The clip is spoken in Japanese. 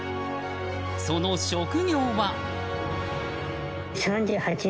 その職業は？